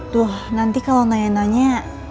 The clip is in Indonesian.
tuh nanti kalau nanya nanya